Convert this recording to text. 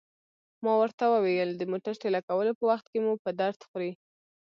ما ورته وویل: د موټر ټېله کولو په وخت کې مو په درد خوري.